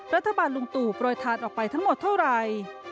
รัฐบาลลุงตุปรวยทัศน์ออกไปทั้งหมดเท่าไหร่